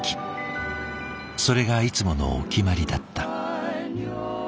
それがいつものお決まりだった。